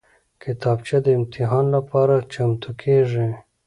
کتابچه د امتحان لپاره چمتو کېږي